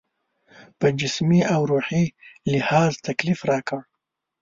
په جسمي او روحي لحاظ تکلیف راکړ.